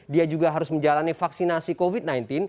dia juga harus menjalani vaksinasi covid sembilan belas